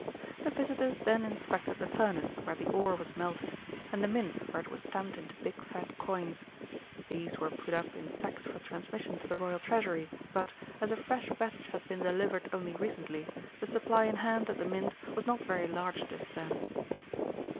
The visitors then inspected the furnace where the ore was melted, and the Mint where it was stamped into big fat coins. These were put up in sacks for transmission to the Royal Treasury, but, as a fresh batch had been delivered only recently, the supply in hand at the Mint was not very large just then.